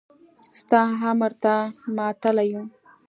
ستا امر ته ماتله يو.